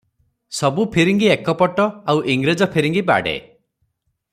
ସବୁ ଫିରିଙ୍ଗୀ ଏକପଟ, ଆଉ ଇଂରେଜ ଫିରିଙ୍ଗୀ ବାଡ଼େ ।